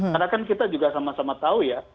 karena kan kita juga sama sama tahu ya